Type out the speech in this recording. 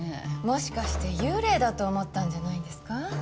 もしかして幽霊だと思ったんじゃないですか。